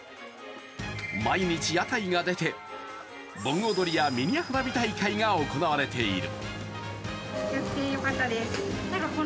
毎日屋台が出て、盆踊りやミニ花火大会が行われている。